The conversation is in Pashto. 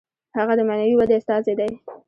هغه د معنوي ودې استازی دی.